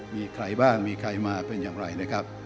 มีใครบ้างมีใครมาเป็นอย่างไรนะครับ